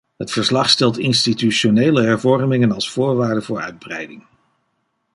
Het verslag stelt institutionele hervormingen als voorwaarde voor uitbreiding.